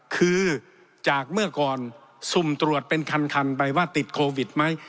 คือจากเมื่อก่อนสุ่มตรวจเป็นคันไปว่าติดโควิดไหม